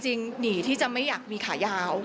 หนีที่จะไม่อยากมีขายาว